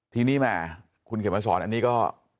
ทีนี้แหมคุณเข็มมาสอนอันนี้ก็